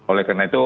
oleh karena itu